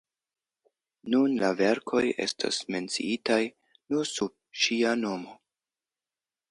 Nun la verkoj estas menciitaj nur sub ŝia nomo.